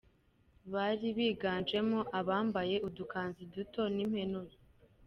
Bari biganjemo abambaye udukanzu duto n’impenure.